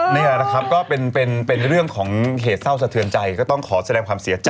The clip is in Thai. นี่แหละนะครับก็เป็นเรื่องของเหตุเศร้าสะเทือนใจก็ต้องขอแสดงความเสียใจ